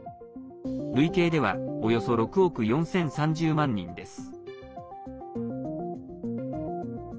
累計ではおよそ６億４０３０万人です。